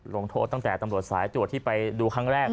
ลงโทษตั้งแต่ตำรวจสายตรวจที่ไปดูครั้งแรก